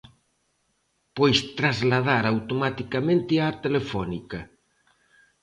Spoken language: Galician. Pois trasladar automaticamente á Telefónica.